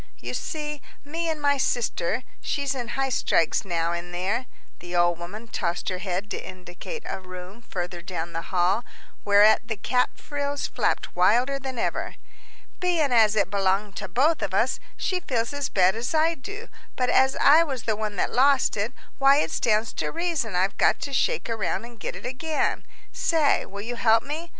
"You see, me and my sister she's in highstrikes now in there." The old woman tossed her head to indicate a room further down the hall, whereat the cap frills flapped wilder than ever. "Bein' as it belonged to both of us, she feels as bad as I do, but as I was the one that lost it, why it stands to reason I've got to shake around and get it again. Say, will you help me?